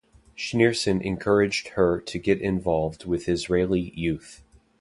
Schneerson encouraged her to get involved with Israeli youth.